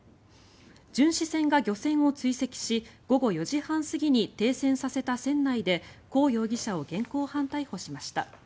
巡視船が漁船を追跡し午後４時半過ぎに停船させた船内でコ容疑者を現行犯逮捕しました。